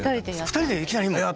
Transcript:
２人でいきなり？